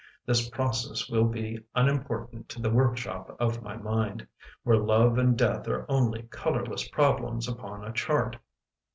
This process will be unimportant To the workshop of my mind Where love and death are only Colourless problems upon a chart."